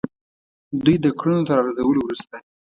دوی د کړنو تر ارزولو وروسته.